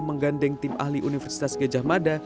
menggandeng tim ahli universitas gejah mada